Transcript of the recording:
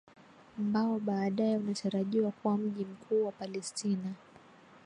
mbao baadaye unatarajiwa kuwa mji mkuu wa palestina